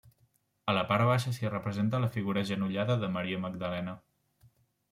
A la part baixa s'hi representa la figura agenollada de Maria Magdalena.